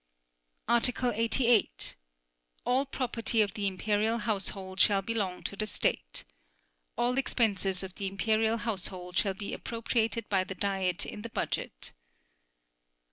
Article 88. All property of the Imperial Household shall belong to the State. All expenses of the Imperial Household shall be appropriated by the Diet in the budget.